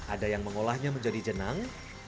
ada yang mengolahnya menjadi jenang